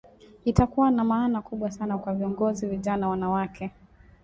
Itakuwa na maana kubwa sana kwa viongozi vijana wanawake